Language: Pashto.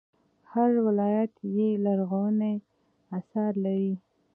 هر ولایت یې لرغوني اثار لري